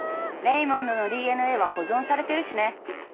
レイモンドのＤＮＡは保存されてるしね。